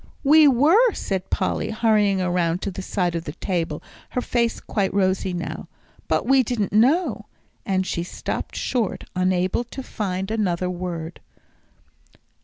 "We were," said Polly, hurrying around to the side of the table, her face quite rosy now, "but we didn't know " and she stopped short, unable to find another word.